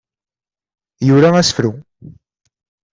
Yura asefru.